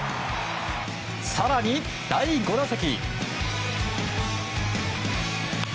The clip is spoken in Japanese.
更に、第５打席。